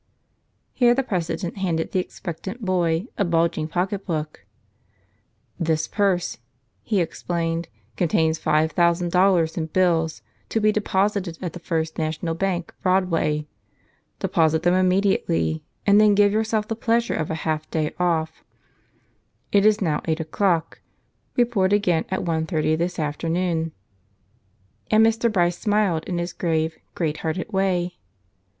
Here the president handed the expectant boy a bulging pocketbook. "This purse," he explained, "contains five thousand dollars in bills to be deposited at the First National Bank, Broadway. Deposit them immediately and then give yourself the pleasure of a half day off. It is now 8 o'clock. Report again at 1 :30 this afternoon." And Mr. Bryce smiled in his grave, great hearted way.